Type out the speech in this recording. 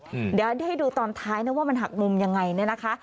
เดี๋ยวให้ดูตอนท้ายนะว่ามันหักมุมยังไงเนี่ยนะคะ